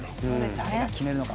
誰が決めるのか。